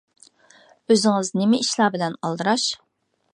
ئۆزىڭىز نېمە ئىشلار بىلەن ئالدىراش؟